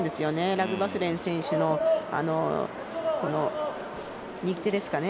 ラグバスレン選手の右手ですかね。